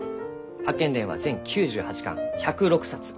「八犬伝」は全９８巻１０６冊。